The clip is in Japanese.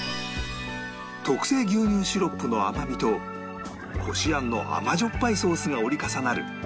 特製牛乳シロップの甘みとこしあんの甘じょっぱいソースが折り重なる